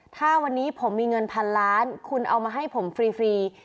ถ้าวันนี้ผมมีเงินพันล้านคุณเอามาให้ผมฟรี